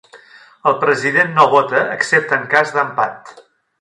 El president no vota excepte en cas d'empat.